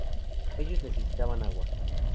Ellos necesitaban agua.